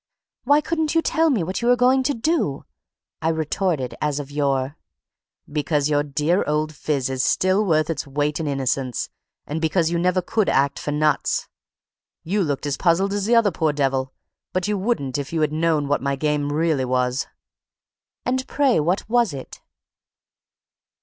"Why couldn't you tell me what you were going to do?" I retorted as of yore. "Because your dear old phiz is still worth its weight in innocence, and because you never could act for nuts! You looked as puzzled as the other poor devil; but you wouldn't if you had known what my game really was." "And pray what was it?"